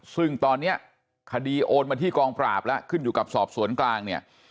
ซึ่งตอนนี้คดีโอนมาที่กองปราบแล้วขึ้นอยู่กับสอบสวนกลางเนี่ย